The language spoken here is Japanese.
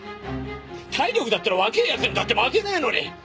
体力だったら若え奴にだって負けねえのに。